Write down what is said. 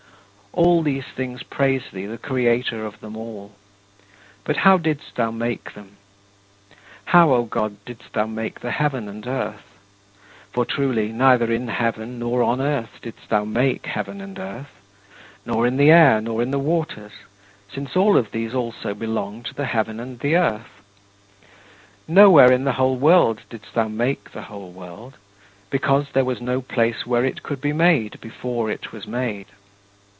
All these things praise thee, the Creator of them all. But how didst thou make them? How, O God, didst thou make the heaven and earth? For truly, neither in heaven nor on earth didst thou make heaven and earth nor in the air nor in the waters, since all of these also belong to the heaven and the earth. Nowhere in the whole world didst thou make the whole world, because there was no place where it could be made before it was made.